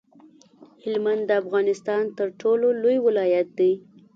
هلمند د افغانستان تر ټولو لوی ولایت دی